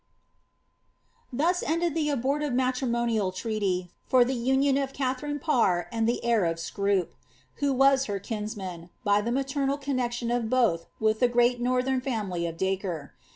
Thus ended the abortive matrimonial treaty for the union of Katha fine Parr and the heir of Scroop, who was her kinsman, by the maternal connexion of both with the great northern family of Dacre.